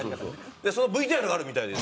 でそのＶＴＲがあるみたいです。